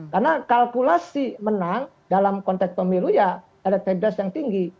karena kalkulasi menang dalam konteks pemilu ya elektabilitas yang tinggi